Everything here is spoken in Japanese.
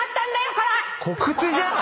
告知じゃん！